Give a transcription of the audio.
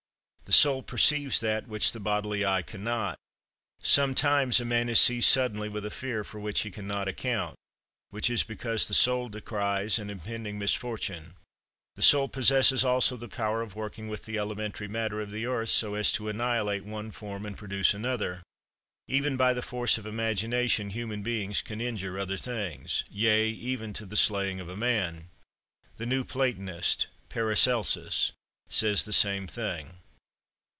The soul perceives that which the bodily eye can not. Sometimes a man is seized suddenly with a fear, for which he can not account, which is because the soul descries an impending misfortune. The soul possesses also the power of working with the elementary matter of the earth, so as to annihilate one form and produce another. Even by the force of imagination, human beings can injure other things; yea, even to the slaying of a man!" (The new platonist, Paracelsus, says the same thing.)